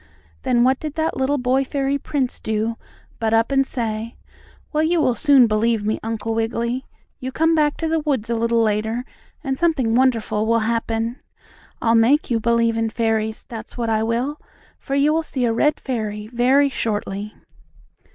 Then what did that little boy fairy prince do, but up and say: "Well, you soon will believe me, Uncle Wiggily. You come back to the woods a little later, and something wonderful will happen. I'll make you believe in fairies; that's what I will, for you will see a red fairy very shortly."